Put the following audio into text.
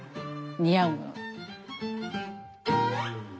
似合うもの。